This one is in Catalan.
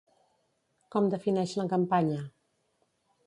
Com defineix la campanya?